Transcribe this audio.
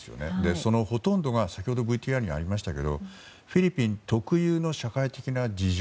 そのほとんどが先ほどＶＴＲにありましたけどフィリピン特有の社会的な事情